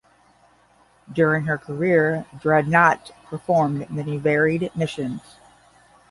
During her career, "Dreadnought" performed many varied missions.